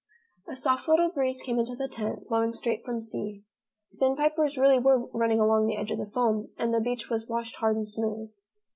A soft little breeze came into the tent, blowing straight from sea. Sandpipers really were running along the edge of the foam and the beach was washed hard and smooth.